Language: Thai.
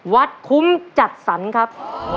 วัดคุ้มจัดสรรครับ